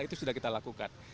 itu sudah kita lakukan